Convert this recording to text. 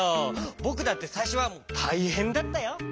ぼくだってさいしょはたいへんだったよ。